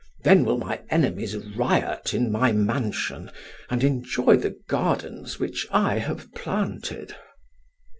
Then will my enemies riot in my mansion, and enjoy the gardens which I have planted."